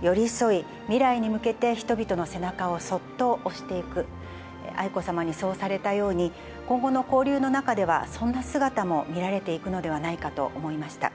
寄り添い、未来に向けて人々の背中をそっと押していく、愛子さまにそうされたように、今後の交流の中では、そんな姿も見られていくのではないかと思いました。